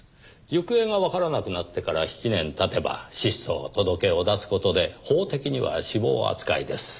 行方がわからなくなってから７年経てば失踪届を出す事で法的には死亡扱いです。